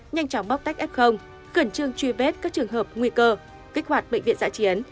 nhanh chóng bóc tách f cận trương truy vết các trường hợp nguy cơ kích hoạt bệnh viện giã chiến